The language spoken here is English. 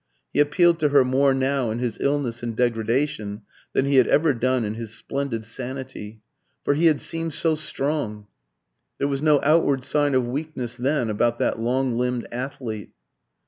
He appealed to her more now in his illness and degradation than he had ever done in his splendid sanity. For he had seemed so strong; there was no outward sign of weakness then about that long limbed athlete.